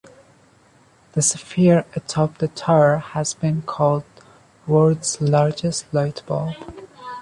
The sphere atop the tower has been called the "world's largest light bulb".